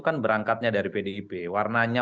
kan berangkatnya dari pdip warnanya